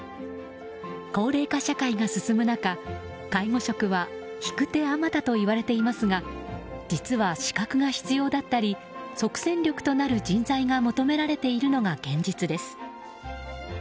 高齢化社会が進む中、介護職は引く手あまたといわれていますが実は資格が必要だったり即戦力となる人材が求められているのが現実です。